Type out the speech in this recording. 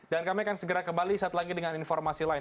dan kami akan segera kembali setelah ini dengan informasi lain